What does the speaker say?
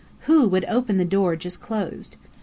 Who would open the door just closed?